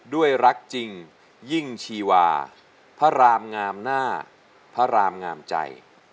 ด้วยรักจริงยิ่งชีวาพระรามงามหน้าพระรามงามใจ